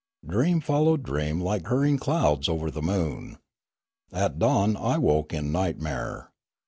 Dream followed dream like hurrying clouds over the moon. At dawn I woke in nightmare.